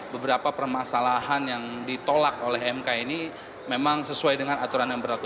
beberapa permasalahan yang ditolak oleh mk ini memang sesuai dengan aturan yang berlaku